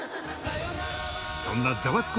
そんなザワつく！